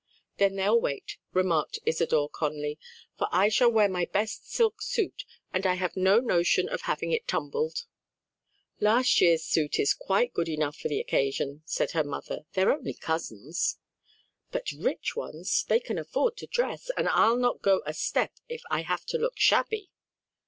"Then they'll wait," remarked Isadore Conly, "for I shall wear my best silk suit, and I have no notion of having it tumbled." "Last year's suit is quite good enough for the occasion," said her mother, "they're only cousins." "But rich ones, that can afford to dress, and I'll not go a step if I have to look shabby."